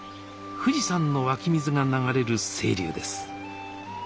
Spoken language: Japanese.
富士山の湧き水が流れる清流です